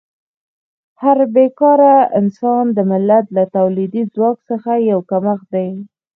هر بېکاره انسان د ملت له تولیدي ځواک څخه یو کمښت دی.